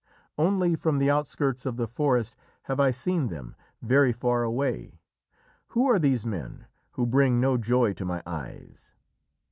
"Only from the outskirts of the forest have I seen them very far away. Who are these men, who bring no joy to my eyes?"